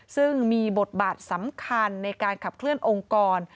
ซึ่งมีบทบาทสำคัญในการขับเคลื่อนองค์กร